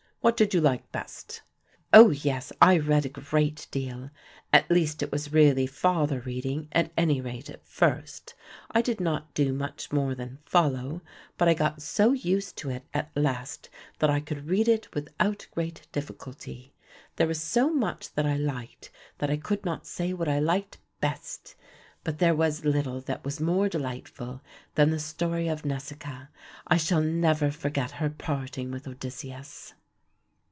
What did you like best?" "Oh, yes, I read a great deal; at least it was really father reading, at any rate at first. I did not do much more than follow, but I got so used to it at last that I could read it without great difficulty. There was so much that I liked that I could not say what I liked best, but there was little that was more delightful than the story of Nausikaa. I shall never forget her parting with Odysseus.